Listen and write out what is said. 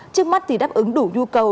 trước mắt thì đáp ứng đủ nhu cầu